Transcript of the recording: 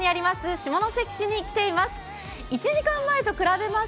下関市に来ています。